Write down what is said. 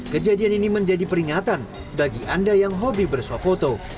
kejadian ini menjadi peringatan bagi anda yang hobi bersuap foto